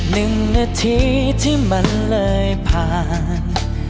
หนึ่งนาทีที่มันเลยผ่าน